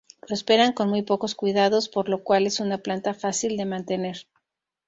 Prosperan con muy pocos cuidados, por lo cual es una planta fácil de mantener.